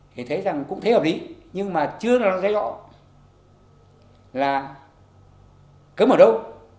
thì thấy rằng cũng thế hợp lý nhưng mà chưa là nó thấy rõ là cấm ở đâu